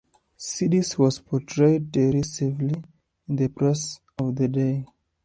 Sidis was portrayed derisively in the press of the day.